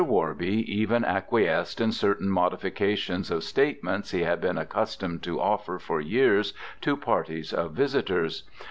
Worby even acquiesced in certain modifications of statements he had been accustomed to offer for years to parties of visitors.